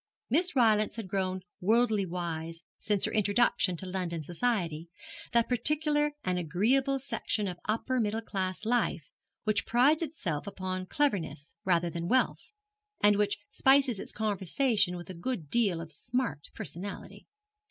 Miss Rylance had grown worldly wise since her introduction to London society, that particular and agreeable section of upper middle class life which prides itself upon cleverness rather than wealth, and which spices its conversation with a good deal of smart personality.